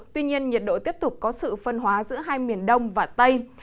tuy nhiên nhiệt độ tiếp tục có sự phân hóa giữa hai miền đông và tây